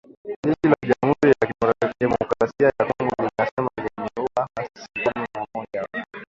Jeshi la jamhuri ya kidemokrasia ya Kongo linasema limeua waasi kumi na moja wa